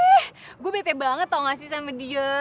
ih gue bete banget tau gak sih sama gina